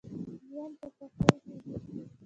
ژوند په خوښۍ کیږي.